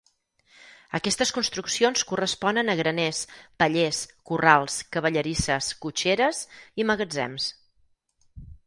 Aquestes construccions corresponen a graners, pallers, corrals, cavallerisses, cotxeres i magatzems.